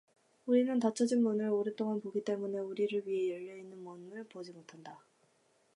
우리는 닫혀진 문을 오랫동안 보기 때문에 우리를 위해 열려 있는 문을 보지 못한다.